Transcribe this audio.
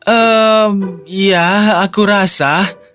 ehm ya aku rasa